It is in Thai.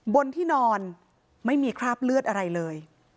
บนที่นอนไม่มีคราบเลือดอะไรเลย